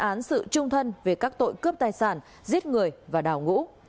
án sự trung thân về các tội cướp tài sản giết người và đào ngũ